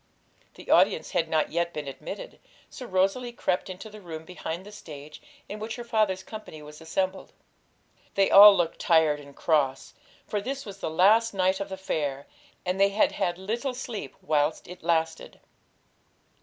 The audience had not yet been admitted, so Rosalie crept into the room behind the stage, in which her father's company was assembled. They all looked tired and cross, for this was the last night of the fair, and they had had little sleep whilst it lasted.